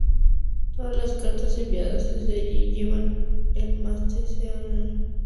Todas las cartas enviadas desde aquí llevan el matasellos especial de Papá Noel.